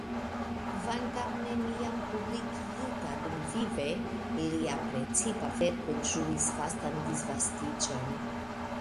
Kvankam neniam publikigita dumvive, lia precipa verko ĝuis vastan disvastiĝon.